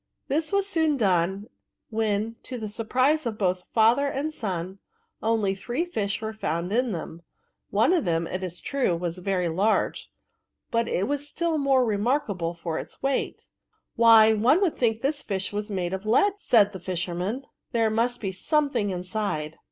'* This was soon done, when, to the suiprise of both father and son, only three fish were fotmd in them ; one of them, it is true, was very large, but it was still more remarkable for its weight. " Why, one would think this fish was made of lead," said the fisherman ;'^ there must be something inside."